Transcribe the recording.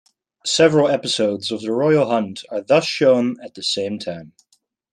Several episodes of the royal hunt are thus shown at the same time.